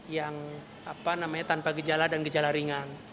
yang tanpa gejala dan gejala ringan